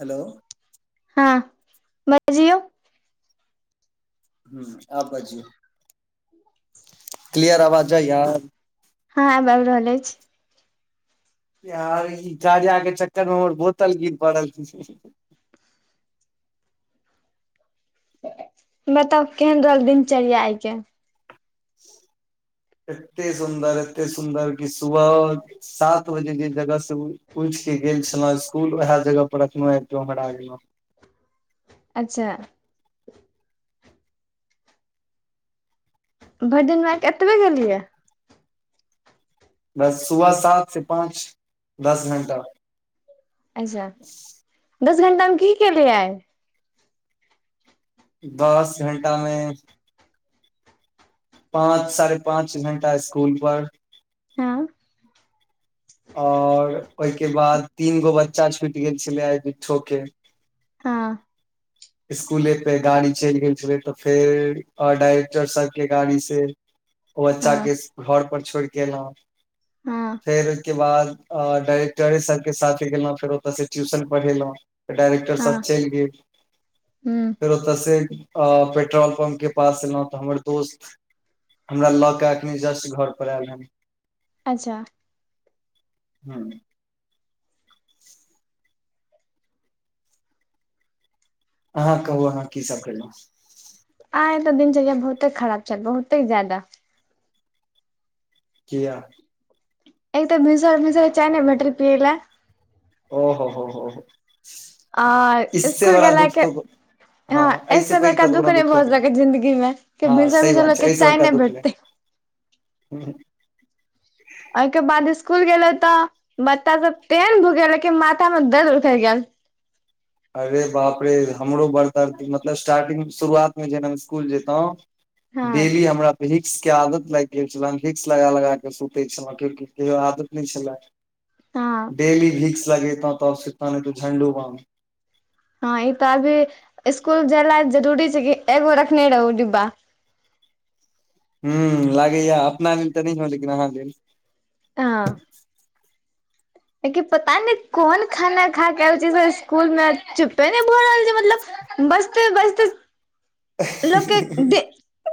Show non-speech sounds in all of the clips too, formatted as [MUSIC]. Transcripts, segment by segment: hello हँ बजियौ ह आब बाजियौ क्लियर अवाज जाय या हँ आबि रहल अछि ई कार्या के चक्कर मे हमर बोतल गिर पड़ल बताउ केहन रहल दिनचर्या आय के एते सुन्दर एते सुन्दर की सुबहो सात बजे जे जगह से उठि के गेल छलो स्कुल वएह जगह पर एखनो आबिके ओंघरा गेलौ अच्छा भैर दिनमे एतबे गेलियै बस सुबह सात से पाँच दस घंटा अच्छा दस घण्टामे की केलियै आय दस घंटा मे पाँच साढ़े पाँच घंटा स्कूल पर हँ आओर ओहिके बाद तीन गो बच्चा छुटि गेल छले आय बिट्ठो के हँ स्कूले पे गाड़ी चलि गेल छले तऽ फेर डायरेक्टर सर के गाड़ी से ओ बच्चा हँ के घर पर छोड़िके एलौ हँ फेर के बाद डायरेक्टरे सरके साथे गेलहुँ फेर ओतय से ट्यूशन पढ़ेलहुं तऽ डायरेक्टर सर चैल गेल हू फेर ओतऽ से अ पेट्रोल पम्प के पास एलहुं तऽ हमर दोस्त हमरा लऽ के अखनी जस्ट घर पर आयल हन अच्छा हू अहाँ कहू अहाँ की सब केलौं आ ए तऽ दिनचर्या बहुते खराब छल बहुतेक ज्यादा किया एक तऽ भिसंरे भिसंरे चाय नहि भेटल पियैला ओहो हो हो हो आओर इससे स्कुल बड़ा गेला दुःख के त हँ हँ ऐस एहिसँ पैघ बड़का तऽऽ कोनो नहि दुःख भऽ नय सकै जिन्दगी मे कि हँ भिनसर सही भिनसर बात लोक छै के ऐस चाय बरका दुःख नहि भेटतै ह ओके बाद स्कूल गेलो त बच्चा सब तेन भूकेलक की माथा में दर्द उखैर गेल अरे बाप रे हमरो बर दर्द मतलब स्टार्टिंग शुरुआतमे जेना हम स्कुल जैतो हँ देवी हमरा प ही भिक्स के आदत लाईग गेल छलै भिक्स लगा लगा के सुते छलऊ क्यू केयो आदत नहि छले हँ डेली भिक्स लगेतौ तऽ सुतित्तौ नय त झण्डू बाम हँ ई तऽ अभी स्कुल जाय ला जरुरी छै कि एगो रखने रहौ डिब्बा ह लागैए अपना लेल तऽ नहियो लेकिन अहाँ लेल आ पता नहि कोन खाना खा के एल छै स्कुल मे चुपे नहि भऽ रहल छै मतलब बैजते बैजते लोक के दे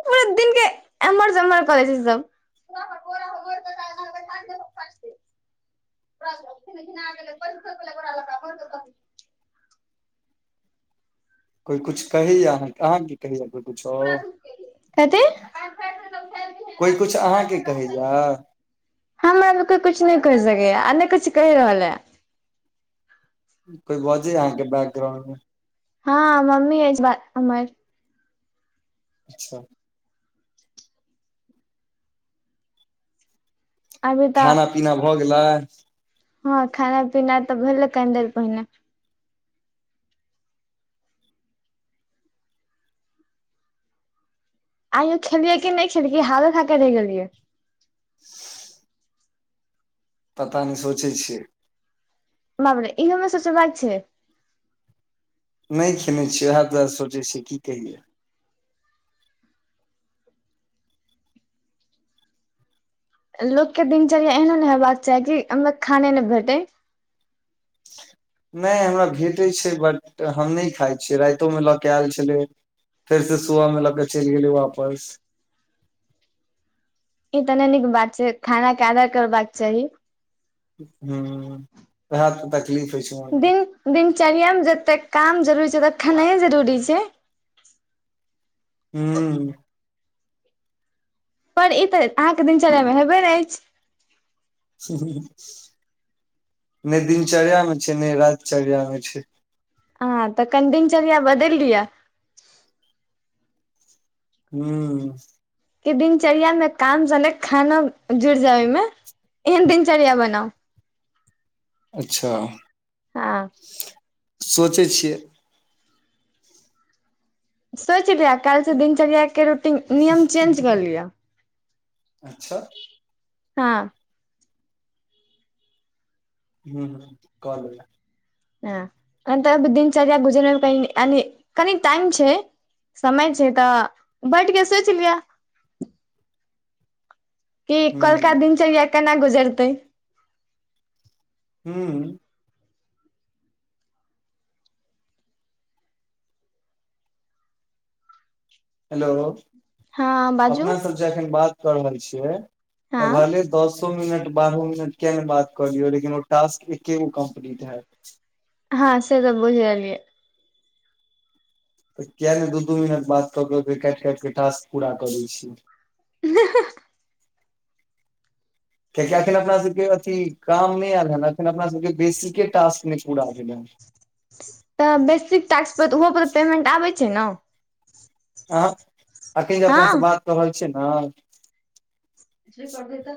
पूरा दिन एम्महर-सम्महर करैत रहै छै, सभ दुआर पर बोरा होइ मोइर [INAUDIBLE] ख गेल ओरा [UNINTELLIGIBLE] कोइ किछु कहैया हँ, अहाँकेँ अहाँकेँ कहैया, कोइ किछुओ कथी कोइ किछु अहाँकेँ कहैय हमरासभकेँ किछु नहि कहि सकैय आ ने किछु कहि रहल यै कोइ बजे अहाँकेँ बैकग्राउंडमे हँ, मम्मी एहेन बात हमर अच्छा अभी तऽ खाना पीना भऽ गेलै हँ, खाना-पीना तऽ भेलै यै, कनी देर पहिने आइयो खेलियै कि नहि खेलियै, हँ, खा कऽ रहि गेलियै [UNINTELLIGIBLE] पता नय सोचै छियै बाप रे, इहोमे सोचबाक छै नहि खेलने छियै, वएह तऽ सोचै छियै कि खेलियै लोककेँ दिनचर्या एहनो नहि हेबाक चाही कि ओहिमे खानो नहि भेटै नहि, हमरा भेटैत छै, मुदा हम नहि खाइत छियै राइतोमे लऽ कऽ आयल छलै फेर से सबेरे लऽ कऽ चलि गेलय वापस ई तऽ नहि नीक बात छै, खाना के आदर करबाक चाही हँ, सेहे तऽ तकलीफ होइ छै मनमे दिनचर्यामे जतेक काम जरूरी छै, ओतबे खेनाइ सेहो जरूरी छै हू पर ई तऽ अहाँकेँ दिनचर्यामे हेबे नहि अछि नहि, दिनचर्यामे छै, ने रातचर्यामे छै हँ, कनि दिनचर्या बदलि लिय हू जे दिनचर्यामे काम सँग खेनाइ जुड़ि जाय, ओहने दिनचर्या बनाउ अच्छा हाँ सोचै छियै सोचि लिअ, काल्हि सँ दिनचर्या के रूटीन नियम बदलि लिअ अच्छा हाँ ह कहल हँ, दिनचर्या गुजरबाक लेल कनि टाइम तऽ चाही समय छै तऽ बैसि कऽ सोचि लिअ की काल्हि हूँ दिनचर्या केना गुजरतै हू हेलो, हँ बाजू अपना सभ जे अखन बात कऽ रहल छियै तऽ हँ भेल दसो मिनट, बारहो मिनट किएक नहि बात कऽ लिअ, मुदा ओ टास्क एक्के गो कम्प्लीट होयत हँ, से तऽ बुझ रहलियै तऽ किएक नहि, दू-दू मिनट बाद ककरो फर काटि-काटि कऽ टास्क पूरा करै छी नहि किएकि अखन अपनासभकेँ ओ काम नहि आयल हेन, अखन अपनासभकेँ बेसिके टास्क नहि पूरा भेल हेन तऽ बेसिक टैक्स पर तऽ ओहो पर तऽ पेमेंट आबै छै ने अखन जे अपने हँ सँ बात कऽ रहल छी ने जे करबै तऽ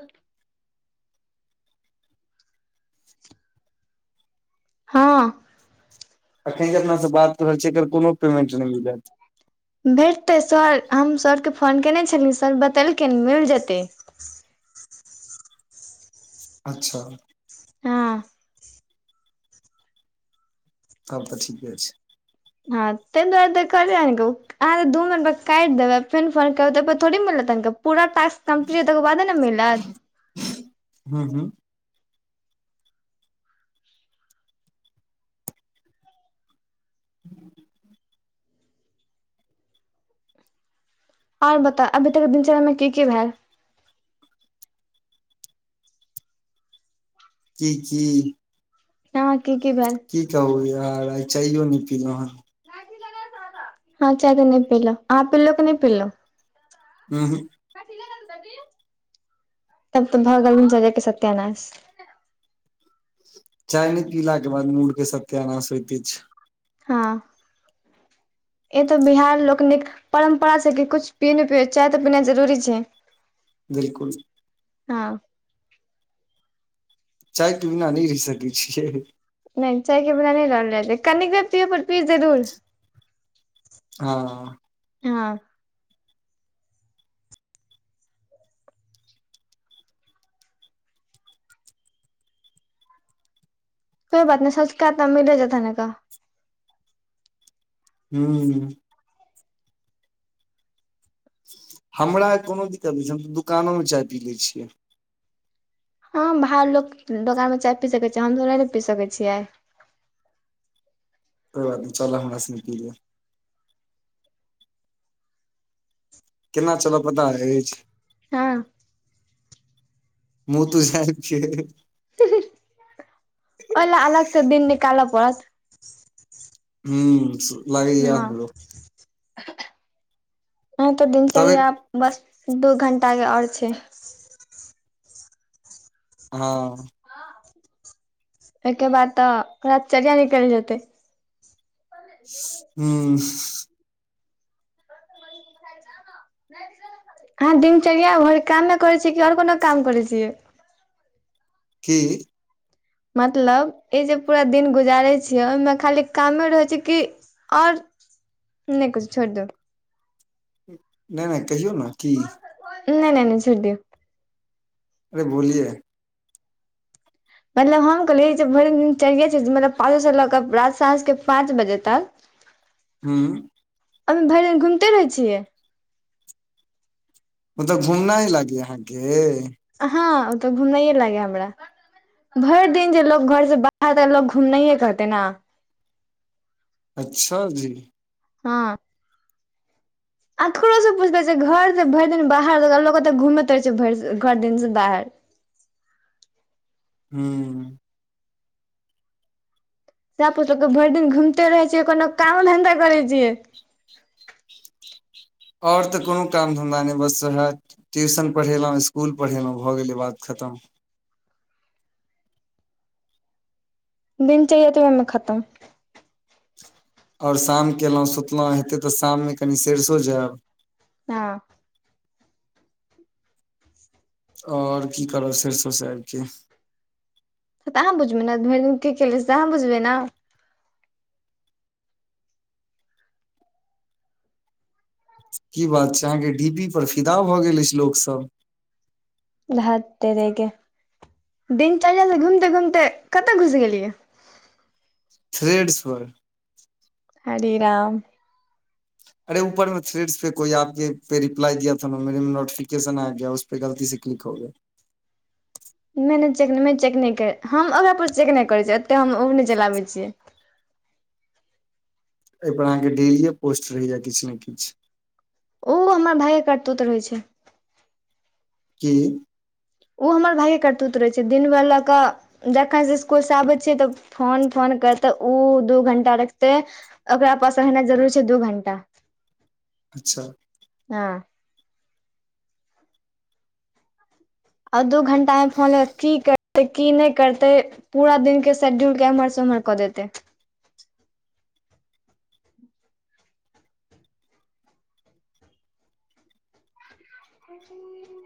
हँ अखन जे अपने सँ बात कऽ रहल छी ने, एकर कोनो पेमेंट नहि भेटत भेटतै सर हम सर के फोन कयने छलियै सर बतेलखिन मिल जेतै अच्छा हँ तब तऽ ठीके छै हँ तै दुआरे तऽ कहली अहाँके अहाँ तऽ दू मिनट पर काटि देबै फेन फोन करबै तैपर थोड़े मिलत पूरा टास्क खतम करबै तकर बादे ने मिलत हूँ हूँ [INAUDIBLE] आओर बताउ अभी तक दिनचर्या मे की की भेल की की हँ की की भेल की कहु यै आय चाइयो नहि पीलहु हे हँ चाय तऽ नहि पीलौं अहाँ पिलौं कि नहि पिलौं उंहूँ तब तऽ भऽ गेलनि जगहके सत्यनाश चाय नहि पीला के बाद मूड़ के सत्यानाश होइते छै हँ ई तऽ बिहार लोकनिक परम्परा छै कि कुछ पीयै नै पियै चाय तऽ पीनाइ जरूरी छै बिलकुल हँ चायके बिना नहि रहि सकै छियै नहि चाय के बिना नहि रहल जाय छै कनिके पियब पर पिब जरूर हँ हँ कोइ बात नहि सोच क मिल जात ना हूँ हमरा कोनो दिक्कत नहि छै हम तऽ दुकानोमे चाय पी लै छियै हँ बाहर लोक दोकान मे चाय पी सकैत छै हम तो नहि ने पी सकैत छियै कोइ बात नहि चलब हमरा सने पीलेब केना चलब पता अछि हँ मुँह तू झापि लेब ओहि लए अलग से दिन निकालऽ पड़त हूँ लागैये हँ हमरो उ तऽ तबे दिनचर्या बस दू घण्टाके आओर छै हँ तहिके बाद तऽ ओकरा दिनचर्या निकलि जेतै हूँ अहाँ दिनचर्या भरि कामे करै छीयै कि आओर कोनो काम करै छियै की मतलब ई जे पूरा दिन गुजारै छियै ओहिमे खाली कामे रहैत छै कि आओर नहि कुछो छोड़ि दियौ नहि नहि कहियौ ने की नहि नहि नहि छोड़ि दियौ अरे बोलिये मतलब हम कहलियै जे भरि दिन चढ़िये छै मतलब पाँचोसँ लऽ कऽ रात सँ साँझ के पाँच बजे तक हँ अभी भरि दिन घुमिते रहै छियै मतलब घूमनाइ लागै ये अहाँके हँ ओ तऽ घुमये लागेया हमरा भरि दिन जे लोक घरसे बाहर रहतै त लोक घुमनाये कहतै नै अच्छा जी हँ अ ककरो से पुछते छै घर त भरि दिन बाहर लोते घूमे रहे छै भ घरि दिन से बाहर हँ सैह पुछै की भरि दिन घूमते रहे छियै कोनो कामो धंधा करै छियै आओर तऽ कोनो काम धन्धा नहि बस ओहे ट्यूशन पढ़ेलहुँ स्कुल पढ़ेलहुँ भऽ गेलै बात खतम बिन चए तऽ ओहिमे खतम ओर शाम केलहुँ सुतलहुँ हेतै तऽ शाममे कनि सरसो जायब हँ आओर की करब सरिसो स आबि क तऽ अहाँ बुझबै ने भरि दिन की केलियै से त अहाँ बुझबै ने की बात छै अहाँके डी पी पर फिदा भऽ गेल अछि लोकसभ धअ तोरिके दिनचर्या से घुमते घूमते कतऽ घुस गेलियै थ्रेडस पर हरे राम अरे ऊपरमे थरेड् पे कोई आपके पे रिप्लाइ दीया था ने मे मे नोटिफिकेशन आ गया उस फेर गलती से क्लिक भअ गेल नहि नहि चेक नहि नहि चेक नहि करै हम ओकरापर चेक नहि करैत छियै ओतय हम ओह नहि चलाबै छियै एहि पर अहाँके डेलियए पोस्ट रहैया किछ ने किछ ओ हमर भायके करतूत रहैत छै कि ओ हमर भाइे करतूत रहैत छै दिन भर लऽ कऽ जखनसँ इसकुलसँ आबै छियै तऽ फोन फोन करतै ओ दू घण्टा रखतै ओकरा पास रहनाइ जरूुर छै दू घंटा अच्छा हँ आओ दू घंटामें फोन लअ कअ कि कर तऽ की नहि करतै पूरा दिनके शेड्यूलके एम्हरसँ ओम्हर कऽ देतै [INAUDIBLE]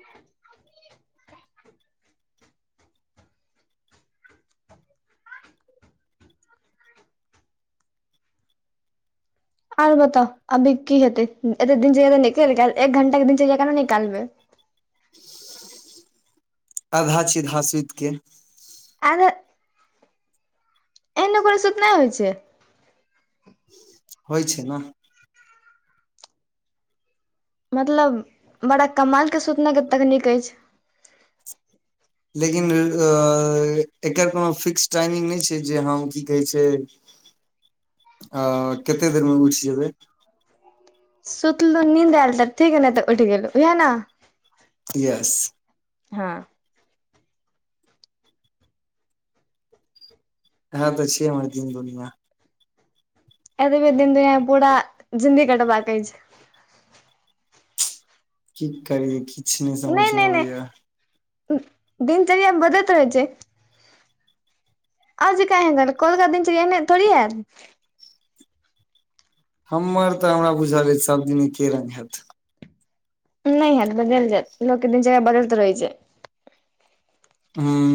आरो बताउ अभी कि हेतै एते दिनचर्या तअ निकैल गैल एक घंटाके दिनचर्या केना निकालबे [INAUDIBLE] आधा छिदहा सुइतके आधा एनो कोनो सूध नहि होइ छै होइ छै ने मतलब बड़ा कमालके सुतनेके तकनीक अछि लेकिन एकर कोनो फिक्स टाइमिंग नहि छै जे हँ की कहैत छै हँ कतेक देरमे उठ जेबै सुतलू नींद आएल तऽ ठीक ह नहि तऽ उठी गेललो हएह ने यैस हँ हँं तऽ छिहै हमर दीन दुनिया एतबे दिन दु पूरा जिन्दी कटबाककै छै की करीयै किछ नहि समझ मे अबैया दिनचर्या बदलैत रहै छै अजी क ह कोलका दिनचर्या च एने थोड़ी ययार हमर तऽ हमरा बुझल अछि सभदिने एके रंग हेत नहि हैत बदल जायत लोकके दिनचरा बदलत रहै छै हँ